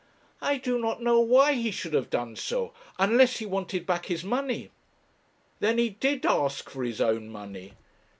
'I do not know why he should have done so, unless he wanted back his money.' 'Then he did ask for his own money?'